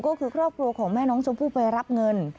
ก็คือครอบครัวของแม่น้องชมพู่ไปรับเงิน